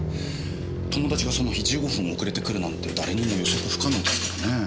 友達がその日１５分遅れてくるなんて誰にも予測不可能ですからねぇ。